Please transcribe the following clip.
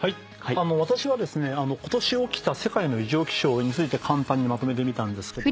私はですねことし起きた世界の異常気象について簡単にまとめてみたんですけど。